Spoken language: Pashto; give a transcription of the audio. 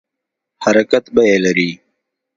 حرکت بیه لري